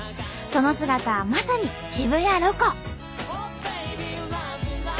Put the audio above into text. その姿はまさに渋谷ロコ。